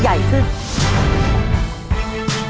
จะมาจับมือกันต่อสู้เพื่อโรงเรียนที่รักของพวกเค้า